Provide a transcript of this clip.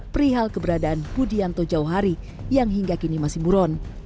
perihal keberadaan budianto jauhari yang hingga kini masih buron